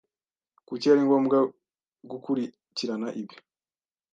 Kuki ari ngombwa gukurikirana ibi